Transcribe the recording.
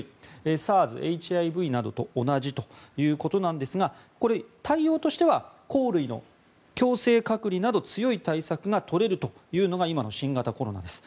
ＳＡＲＳ、ＨＩＶなどと同じということですがこれ、対応としては甲類の強制隔離など強い体制が取れるというのが今の新型コロナです。